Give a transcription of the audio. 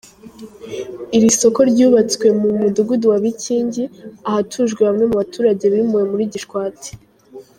Iri soko ryubatse mu mudugudu wa Bikingi, ahatujwe bamwe mu baturage bimuwe muri Gishwati.